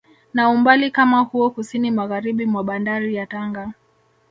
Na umbali kama huo kusini Magharibi mwa bandari ya Tanga